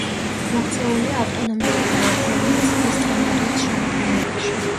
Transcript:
მოქცეულია ავტონომიური გაერთიანების ესტრემადურის შემადგენლობაში.